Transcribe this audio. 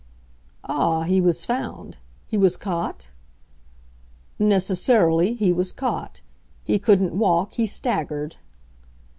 "Ah, he was found—he was caught?" "Necessarily, he was caught. He couldn't walk; he staggered."